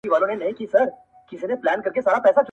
مُلا وویل سلطانه ستا قربان سم-